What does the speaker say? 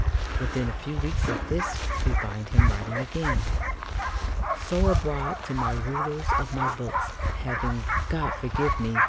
Within a few weeks of this we find him writing again: So abroad to my ruler's of my books, having, God forgive me!